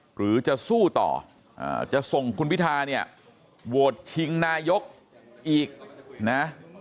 หรือจะสู้ต่อจะส่งคุณพิธาเนี่ยโหวตชิงนายกอีกนะ